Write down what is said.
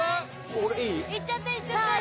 俺いい？いっちゃっていっちゃってさあ